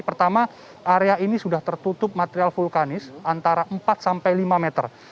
pertama area ini sudah tertutup material vulkanis antara empat sampai lima meter